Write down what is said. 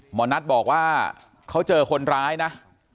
หมอนัทบอกว่าเขาเจอคนร้ายนะ